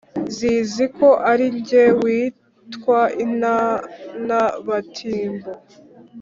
zizi ko ari jye witwa intana-batimbo